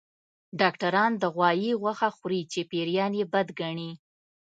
ډاکټران د غوايي غوښه خوري چې پيريان يې بد ګڼي